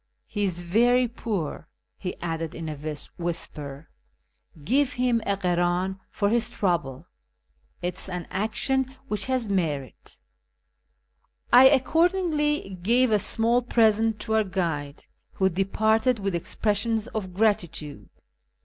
He is very poor," he added in a whisper, " give him a krdn for his trouble ; it is an action which has merit." I accordingly gave a small present to our guide, who departed with expressions of gratitude.